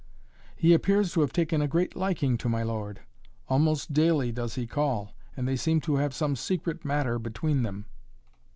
"He appears to have taken a great liking to my lord. Almost daily does he call, and they seem to have some secret matter between them."